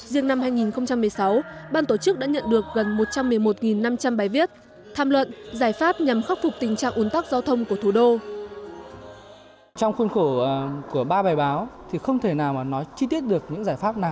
riêng năm hai nghìn một mươi sáu ban tổ chức đã nhận được gần một trăm một mươi một năm trăm linh bài viết tham luận giải pháp nhằm khắc phục tình trạng